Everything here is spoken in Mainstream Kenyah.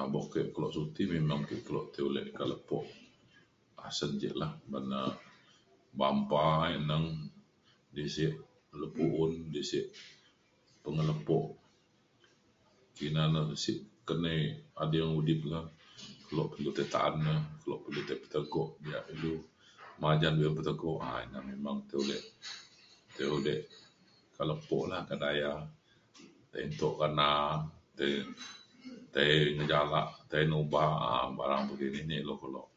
um Boka ek keluk cuti memang ke keluk ke tai ulik ka lepo'. Pasen dikla ban le bampa ek neng di sik lepo un di sik pengelepok. Ina na nesik kenai ading udip le, kelok pe lu tai ta'an e, kelok pe lu tai peteguk [unintelligible] lu, majan be'un peteguk memang tai ulek tai ulek ke lepo le ke daya tai entuk kena, tai tai ngejala, tai nuba um barang nakini na ilu keluk.